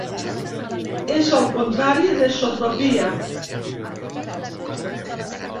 És el contrari d'esotropia.